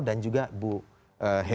dan juga bu hebi